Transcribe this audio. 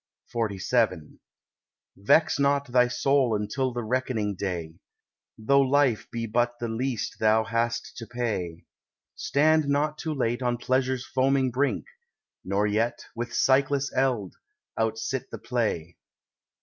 XLVII "Vex not thy soul until the reckoning day, Though life be but the least thou hast to pay; Stand not too late on pleasure's foaming brink, Nor yet, with sightless eld, outsit the play.